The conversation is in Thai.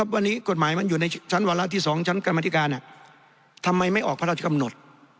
ออกกันจังพระกำหนด